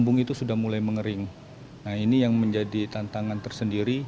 nah ini yang menjadi tantangan tersendiri